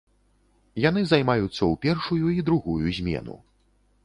Яны займаюцца ў першую і другую змену.